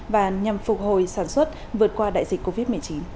và nhằm phục hồi sản xuất vượt qua đại dịch covid một mươi chín